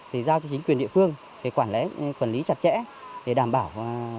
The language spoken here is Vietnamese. thì giao cho chính quyền địa phương để quản lý chặt chẽ để đảm bảo